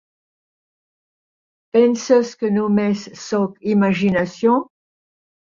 Penses que només sóc imaginació?